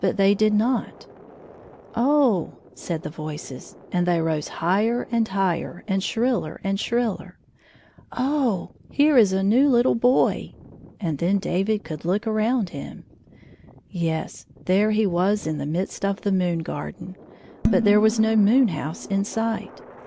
But they did not. " Oh h h !" said the voices, and they rose higher and higher, and shriller and shriller. " Oh h h h, here is a new little boy !" and then David could look around him. Yes ; there he was in the midst of the moon 75 garden, but there was no moon house m sight.